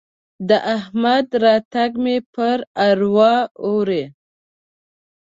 د احمد راتګ مې پر اروا اوري.